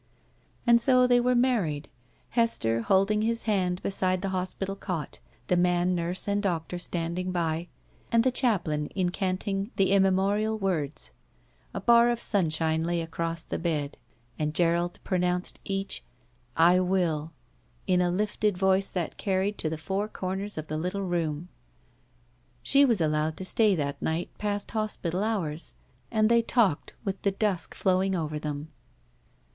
And so they were married, Hester holding his hand beside the hospital cot, the man nurse and doctor standing by, and the chaplain incanting the immemorial words. A bar of stmshine lay across the bed, and Gerald pronoimced each "I will" in a lifted voice that carried to the f otu: comers of the little room. She was allowed to stay that night past hospital hours, and they talked with the dusk flowing over them.